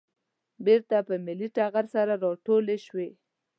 بېرته پر ملي ټغر سره راټولې شوې.